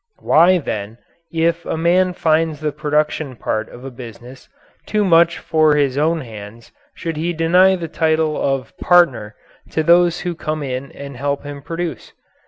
Why, then, if a man finds the production part of a business too much for his own two hands should he deny the title of "partner" to those who come in and help him produce?